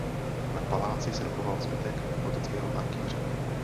Na paláci se dochoval zbytek gotického arkýře.